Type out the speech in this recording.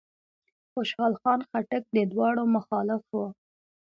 خوشحال خان خټک د دواړو مخالف و.